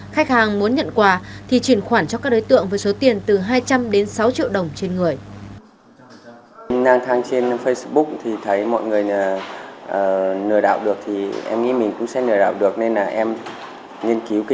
khách hàng muốn nhận quà thì chuyển khoản cho các đối tượng với số tiền từ hai trăm linh đến sáu triệu đồng trên người